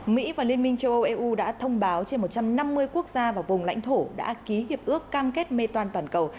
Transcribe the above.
mỹ và liên minh châu âu eu đã thông báo trên một trăm năm mươi quốc gia và vùng lãnh thổ đã ký hiệp ước cam kết metan toàn cầu